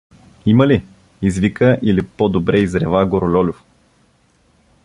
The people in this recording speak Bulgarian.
— Има ли? — извика или по-добре изрева Горололюв.